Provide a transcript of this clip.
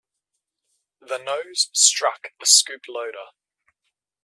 The nose struck a scoop loader.